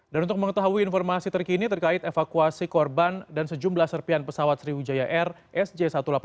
dan untuk mengetahui informasi terkini terkait evakuasi korban dan sejumlah serpihan pesawat sriwijaya air sj satu ratus delapan puluh dua